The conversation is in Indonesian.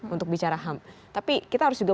untuk bicara ham tapi kita harus juga